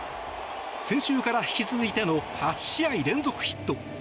先週から引き続いての８試合連続ヒット。